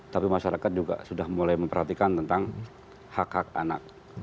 tapi masyarakat juga sudah mulai memperhatikan tentang hak hak anak